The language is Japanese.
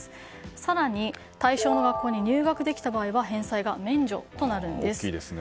更に、対象の学校に入学できた場合は返済が免除になるんです。